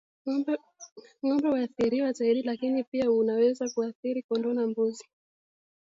Ng'ombe huathiriwa zaidi lakini pia unaweza kuathiri kondoo na mbuzi